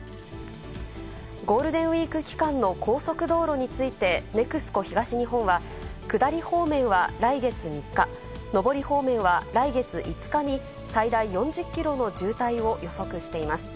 ゴールデンウィーク期間の高速道路について、ＮＥＸＣＯ東日本は、下り方面は来月３日、上り方面は来月５日に、最大４０キロの渋滞を予測しています。